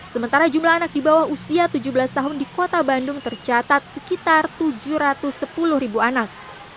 sementara jumlah anak di bawah usia tujuh belas tahun di kota bandung tercatat sekitar tujuh ratus sepuluh ribu anak